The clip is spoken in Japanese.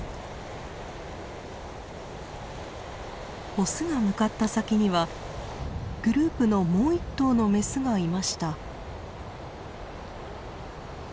オスが向かった先にはグループのもう一頭のメスがいました。